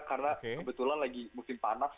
karena kebetulan lagi musim panas